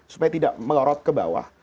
supaya tidak melorot ke bawah